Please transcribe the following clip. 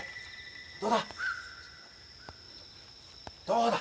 どうだ？